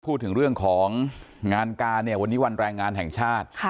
พูดถึงเรื่องของงานการเนี่ยวันนี้วันแรงงานแห่งชาติ